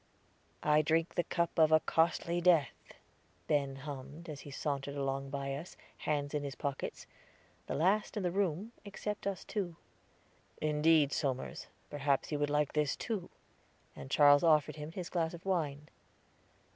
"'I drink the cup of a costly death,'" Ben hummed, as he sauntered along by us, hands in his pockets the last in the room, except us two. "Indeed, Somers; perhaps you would like this too." And Charles offered him his glass of wine.